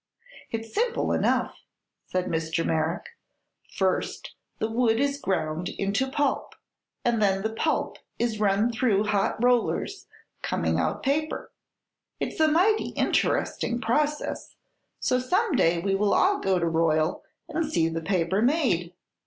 "It's simple enough," said Mr. Merrick. "First the wood is ground into pulp, and then the pulp is run through hot rollers, coming out paper. It's a mighty interesting process, so some day we will all go to Royal and see the paper made."